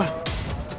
salah alamat lu